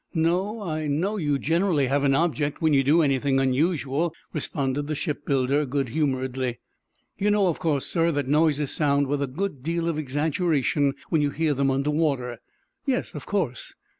"No; I know you generally have an object when you do anything unusual," responded the shipbuilder, good humoredly. "You know, of course, sir, that noises sound with a good deal of exaggeration when you hear them under water?" "Yes; of course."